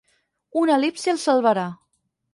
Una el·lipsi el salvarà.